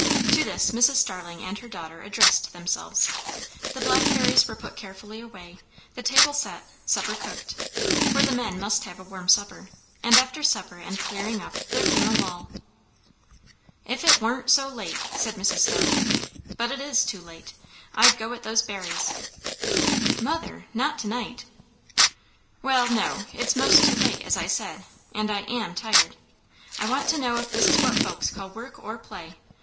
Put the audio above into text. To this Mrs. Starling and her daughter addressed themselves. The blackberries were put carefully away; the table set, supper cooked, for the men must have a warm supper; and after supper and clearing up there came a lull. "If it warn't so late," said Mrs. Starling, "but it is too late, I'd go at those berries." "Mother! Not to night." "Well, no; it's 'most too late, as I said; and I am tired. I want to know if this is what folks call work or play?